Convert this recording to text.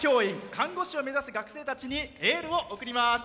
看護師を目指す学生たちにエールを送ります。